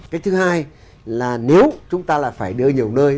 cái thứ hai là nếu chúng ta là phải đưa nhiều nơi